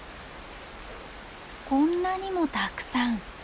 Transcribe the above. こんなにもたくさん。